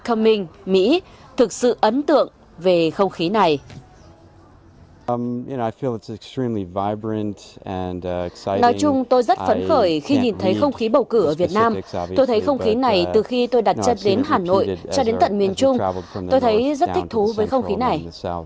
tôi không thể nhìn thấy không khí bầu cử ở việt nam tôi thấy không khí này từ khi tôi đặt chân đến hà nội cho đến tận miền trung tôi thấy rất thích thú với không khí này